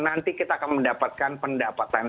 nanti kita akan mendapatkan pendapatan